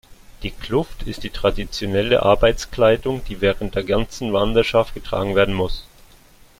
Die Kluft ist die traditionelle Arbeitskleidung, die während der ganzen Wanderschaft getragen werden muss.